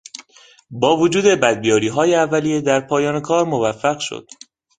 با وجود بدبیاریهای اولیه در پایان کار موفق شد.